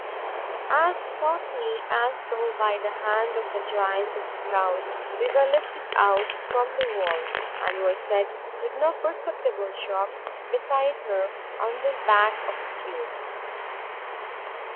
As softly as though by the hand of a giant of cloud we were lifted out from the wall, and were set with no perceptible shock beside her on the back of the cubes.